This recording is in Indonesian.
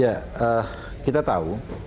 ya kita tahu